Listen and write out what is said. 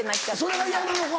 それが嫌なのか。